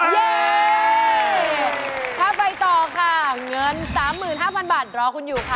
เย่ถ้าไปต่อค่ะเงิน๓๕๐๐บาทรอคุณอยู่ค่ะ